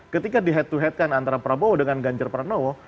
ketika di head to head kan antara prabowo dengan ganjar pranowo